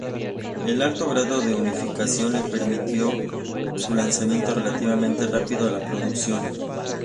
El alto grado de unificación le permitió su lanzamiento relativamente rápido a la producción.